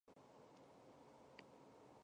是桂林市重点中学之一。